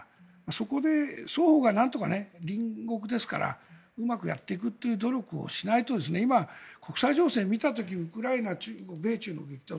そこで双方がなんとか隣国ですからうまくやっていくっていう努力をしないと今、国際情勢を見た時にウクライナ、中国、米中の激突